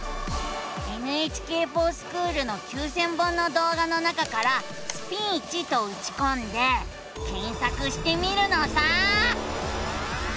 「ＮＨＫｆｏｒＳｃｈｏｏｌ」の９，０００本の動画の中から「スピーチ」とうちこんで検索してみるのさ！